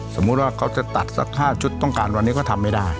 สมมุติว่าเขาจะตัดสัก๕ชุดต้องการวันนี้ก็ทำไม่ได้